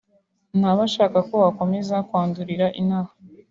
ntaba ashaka ko wakomeza kwandurira inaha